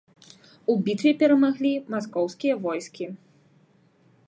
У бітве перамаглі маскоўскія войскі.